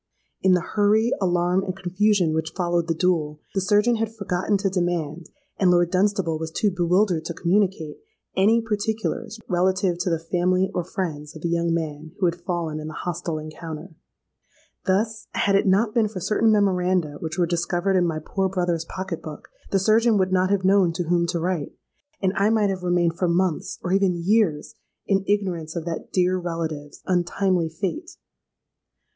In the hurry, alarm, and confusion which followed the duel, the surgeon had forgotten to demand, and Lord Dunstable was too bewildered to communicate, any particulars relative to the family or friends of the young man who had fallen in the hostile encounter. Thus, had it not been for certain memoranda which were discovered in my poor brother's pocket book, the surgeon would not have known to whom to write, and I might have remained for months—or even years—in ignorance of that dear relative's untimely fate.